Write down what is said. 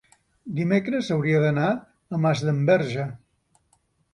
dimecres hauria d'anar a Masdenverge.